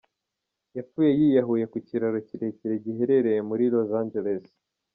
Yapfuye yiyahuye ku kiraro kirekire giherereye mu Mujyi wa Los Angeles.